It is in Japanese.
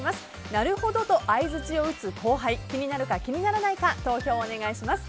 なるほどと相づちを打つ後輩気になるか、気にならないか投票をお願いします。